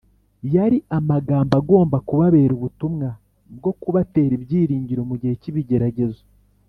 yari amagambo agomba kubabera ubutumwa bwo kubatera ibyiringiro mu gihe cy’ibigeragezo,